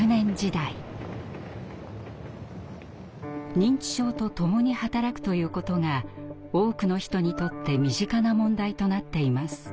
認知症とともに働くということが多くの人にとって身近な問題となっています。